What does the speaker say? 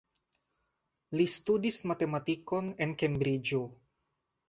Li studis matematikon en Kembriĝo.